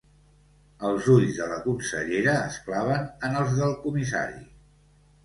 Els ulls de la consellera es claven en els del comissari.